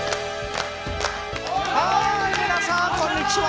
皆さんこんにちは。